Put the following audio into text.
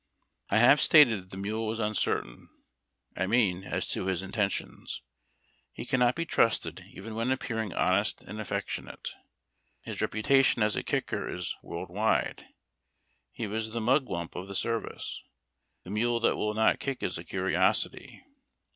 I have stated that the mule was uncertain ; I mean as to his intentions. He cannot be trusted even when appearing honest and affectionate. His reputation as a kicker is world wide. He was the Mugwump of the service. The mule that will not kick is a curiosity.